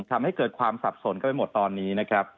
ทำให้เกิดความสับสนเข้าไปหมดตอนนี้นะครับ